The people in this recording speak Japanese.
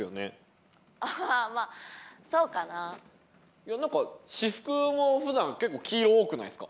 いやなんか私服も普段結構黄色多くないですか？